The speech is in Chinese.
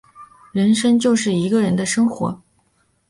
人生就是一个人的生活